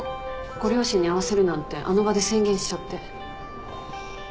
ご両親に会わせるなんてあの場で宣言しちゃって。